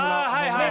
はい。